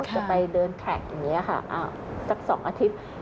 จะไปเดินแท็กอย่างนี้ค่ะสัก๒อาทิตย์